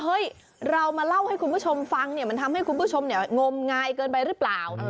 เรามาเล่าให้คุณผู้ชมฟังเนี่ยมันทำให้คุณผู้ชมเนี่ยงมงายเกินไปหรือเปล่า